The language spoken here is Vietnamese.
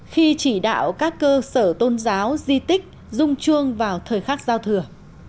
khi chỉ đạo các cơ sở tôn giáo di tích rung chuông vào thời khắc giao thừa